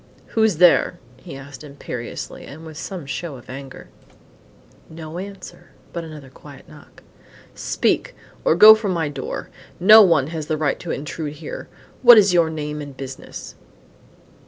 "Who's there?" he asked, imperiously and with some show of anger. No answer, but another quiet knock. "Speak! or go from my door. No one has the right to intrude here. What is your name and business?"